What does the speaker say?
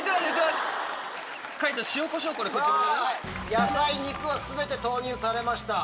野菜肉は全て投入されました。